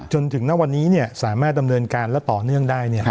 จนถึงณวันนี้สามารถดำเนินการและต่อเนื่องได้